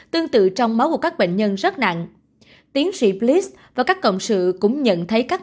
tương tự trong máu của các bệnh nhân rất nặng tiến sĩ pleis và các cộng sự cũng nhận thấy các